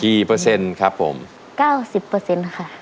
เปอร์เซ็นต์ครับผมเก้าสิบเปอร์เซ็นต์ค่ะ